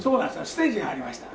ステージがありました。